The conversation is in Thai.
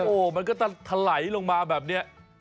โอ้โหมันก็จะถลายลงมาแบบนี้